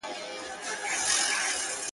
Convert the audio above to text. دا په ټولو موږكانو كي سردار دئ؛